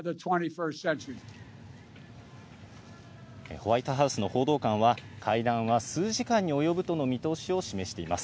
ホワイトハウスの報道官は会談は数時間に及ぶとの見通しを示しています。